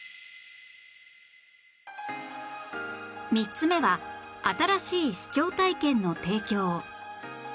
３つ目は新しい視聴体験の提供